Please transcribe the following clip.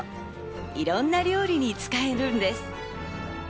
いろんな料理に使えるんです。